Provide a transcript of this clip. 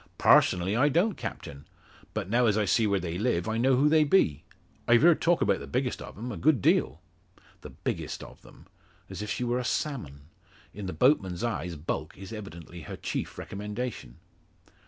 "Parsonally, I don't, captain. But, now as I see where they live, I know who they be. I've heerd talk 'bout the biggest o' them a good deal." The biggest of them! As if she were a salmon! In the boatman's eyes, bulk is evidently her chief recommendation!